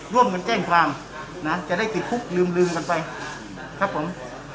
ร่วมกันแจ้งความนะจะได้ติดคุกลืมกันไปครับผม